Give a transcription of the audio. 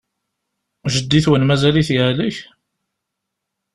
Jeddi-twen mazal-it yehlek?